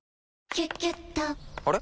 「キュキュット」から！